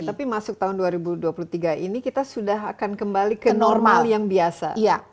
tapi masuk tahun dua ribu dua puluh tiga ini kita sudah akan kembali ke normal yang biasa